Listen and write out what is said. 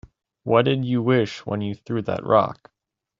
What'd you wish when you threw that rock?